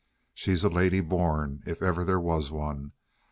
She's a lady born, if ever there was one.